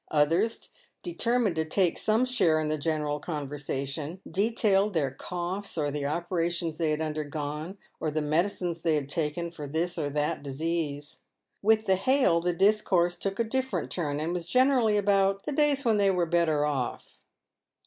Others, determined to take some share in the general conversation, detailed their coughs, or the operations they had undergone, or the medicines they had taken for this or that disease. "With the hale the discourse took a different turn, and was generally about "the days when they were better off."